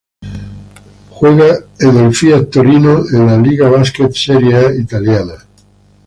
Juega en el Fiat Torino en la Lega Basket Serie A italiana.